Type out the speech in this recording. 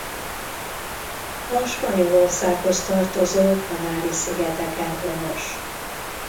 A Spanyolországhoz tartozó Kanári-szigeteken honos.